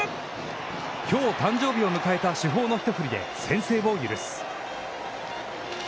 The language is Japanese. きょう誕生日を迎えた主砲の一振りで先制を許す。